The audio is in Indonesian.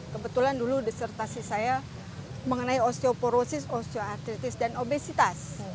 kebetulan dulu disertasi saya mengenai osteoporosis osteoartritis dan obesitas